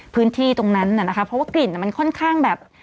พื้นที่ตรงนั้นน่ะนะคะเพราะว่ากลิ่นมันค่อนข้างแบบ